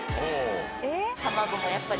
卵もやっぱり。